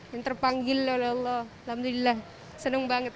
yang terpanggil oleh allah alhamdulillah senang banget